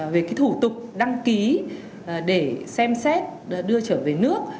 về cái thủ tục đăng ký để xem xét đưa trở về nước